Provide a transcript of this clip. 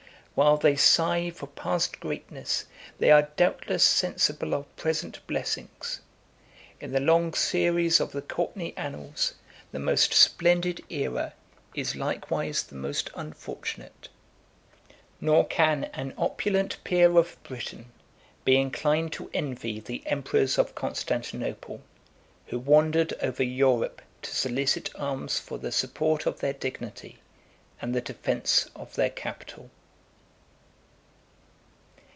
86 While they sigh for past greatness, they are doubtless sensible of present blessings: in the long series of the Courtenay annals, the most splendid æra is likewise the most unfortunate; nor can an opulent peer of Britain be inclined to envy the emperors of Constantinople, who wandered over Europe to solicit alms for the support of their dignity and the defence of their capital.